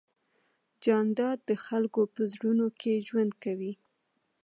جانداد د خلکو په زړونو کې ژوند کوي.